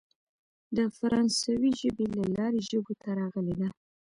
د فرانسوۍ ژبې له لارې ژبو ته راغلې ده.